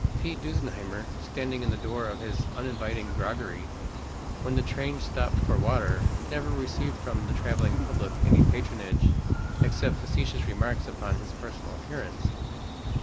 P. Dusenheimer, standing in the door of his uninviting groggery, when the trains stopped for water; never received from the traveling public any patronage except facetious remarks upon his personal appearance.